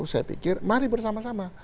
saya pikir mari bersama sama